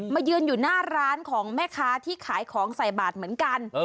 ยืนอยู่หน้าร้านของแม่ค้าที่ขายของใส่บาทเหมือนกัน